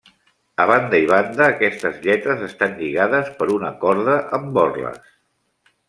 A banda i banda, aquestes lletres estan lligades per una corda amb borles.